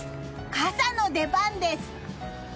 傘の出番です！